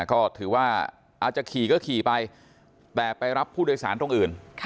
ก็ถือว่าอาจจะขี่ก็ขี่ไปแต่ไปรับผู้โดยสารตรงอื่น